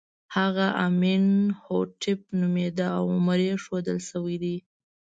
هغه امین هوټېپ نومېده او عمر یې ښودل شوی دی.